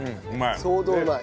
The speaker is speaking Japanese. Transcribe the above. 相当うまい。